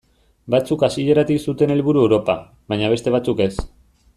Batzuk hasieratik zuten helburu Europa, baina beste batzuk ez.